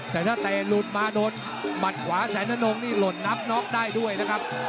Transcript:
แต่ถ้าเตะหลุดมาโดนหมัดขวาแสนนงนี่หล่นนับน็อกได้ด้วยนะครับ